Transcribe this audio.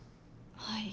はい。